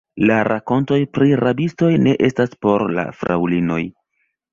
La rakontoj pri rabistoj ne estas por la fraŭlinoj.